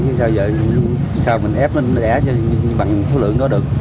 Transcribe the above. thế sao giờ sao mình ép nó đẻ cho bằng số lượng đó được